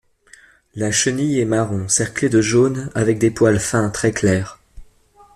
La chenille est marron cerclée de jaune avec des poils fins très clairs.